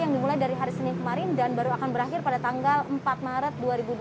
yang dimulai dari hari senin kemarin dan baru akan berakhir pada tanggal empat maret dua ribu dua puluh